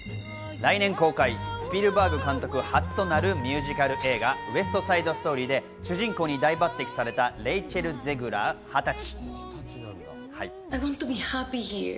来年公開、スピルバーグ監督初となるミュージカル映画『ウエスト・サイド・ストーリー』で主人公に大抜てきされたレイチェル・ゼグラー、２０歳。